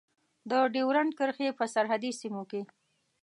د ډیورند کرښې په سرحدي سیمو کې.